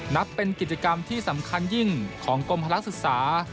นับเป็นกิจกรรมที่สำคัญยิ่งของกรมพลักษึกษา